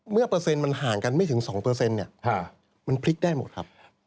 เมื่อเปอร์เซ็นต์มันห่างกันไม่ถึง๒มันพลิกได้หมดครับ